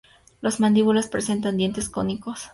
Las mandíbulas presentan dientes cónicos.